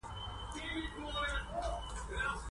د پانګونې هڅول ممکن شول.